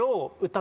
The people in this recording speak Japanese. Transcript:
歌